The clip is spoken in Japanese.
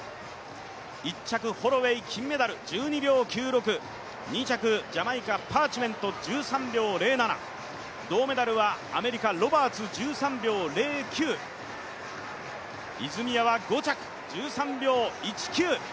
１着ホロウェイ、金メダル１２秒９６、２着ジャマイカ、パーチメント、１３秒０７、銅メダルはアメリカ、ロバーツ、１３秒０９、泉谷は５着、１３秒１９。